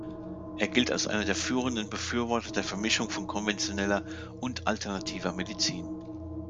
Er gilt als einer der führenden Befürworter der Vermischung von konventioneller und alternativer Medizin.